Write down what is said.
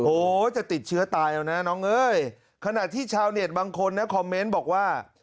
โอ้โหจะติดเชื้อตายแล้วนะน้องเอ้ยขณะที่ชาวเน็ตบางคนนะคอมเมนต์บอกว่า